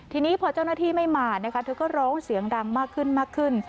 ทีนี้พอเจ้าหน้าที่ไม่มาเธอก็ร้องเสียงดังมากขึ้น